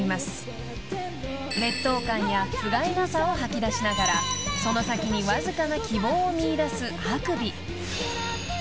［劣等感やふがいなさを吐き出しながらその先にわずかな希望を見いだすＨａｋｕｂｉ］